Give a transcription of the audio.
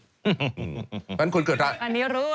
แล้วไม่ถบอารมณ์ก็ยากนะไม่พูด